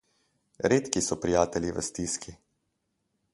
Redki so prijatelji v stiski.